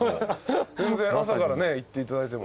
全然朝からねいっていただいても。